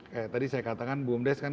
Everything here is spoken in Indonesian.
kayak tadi saya katakan bumdes kan